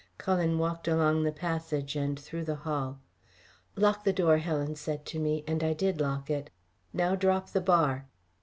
Cullen walked along the passage and through the hall. "Lock the door," Helen said to me, and I did lock it. "Now drop the bar."